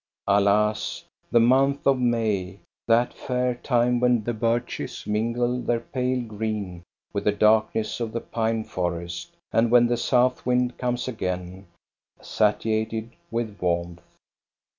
Alas, the month of May, that fair time when the birches mingle their pale green with the darkness of the pine forest, and when the south wind comes again satiated with warmth.